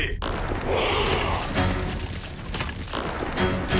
お！